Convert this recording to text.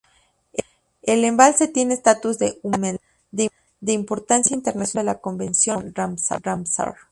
El embalse tiene estatus de Humedal de Importancia Internacional sujeto a la Convención Ramsar.